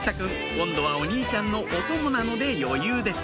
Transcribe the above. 今度はお兄ちゃんのお供なので余裕です